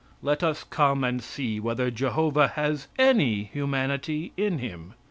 Let us come and see whether Jehovah has any humanity in Him.